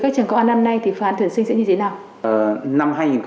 các trường công an năm nay thì phương án tuyển sinh sẽ như thế nào